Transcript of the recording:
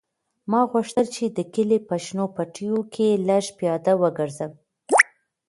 ما غوښتل چې د کلي په شنو پټیو کې لږ پیاده وګرځم.